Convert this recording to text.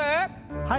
はい。